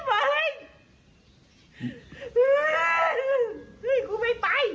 ไม่ไป